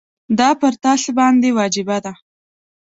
دا پر تاسي باندي واجبه ده.